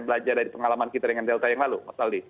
belajar dari pengalaman kita dengan delta yang lalu mas aldi